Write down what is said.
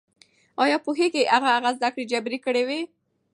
ايا پوهېږئ چې هغه زده کړې جبري کړې وې؟